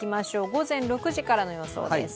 午前６時からの予想です。